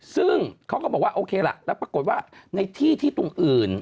ซึ่งเขาก็บอกว่าโอเคล่ะแล้วปรากฏว่าในที่ที่ตรงอื่น